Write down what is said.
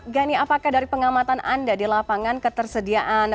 gani apakah dari pengamatan anda di lapangan ketersediaan